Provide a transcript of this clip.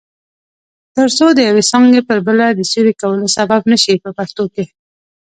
ترڅو د یوې څانګې پر بله د سیوري کولو سبب نشي په پښتو کې.